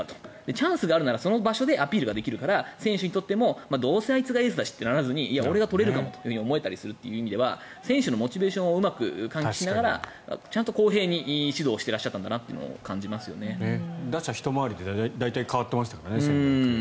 チャンスがあるならその場所でアピールできるから選手にとっても、どうせあいつがエースだしってならずにいや、俺がとれるかもと思える意味では選手のモチベーションをうまく管理しながらちゃんと公平に指導してらしたんだなと打者ひと回りで大体変わってましたからね。